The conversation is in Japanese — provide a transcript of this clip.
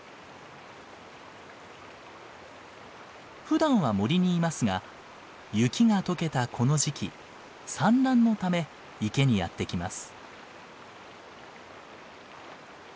ふだんは森にいますが雪が解けたこの時期産卵のため池にやって来ます。